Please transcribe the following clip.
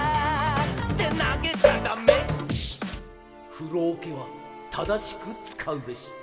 「ふろおけはただしくつかうべし」